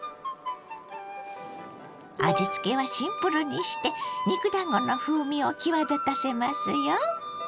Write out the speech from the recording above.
味付けはシンプルにして肉だんごの風味を際立たせますよ。